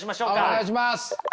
お願いします！